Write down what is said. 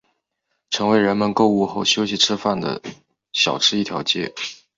成为人们购物后休息吃饭的小吃一条街。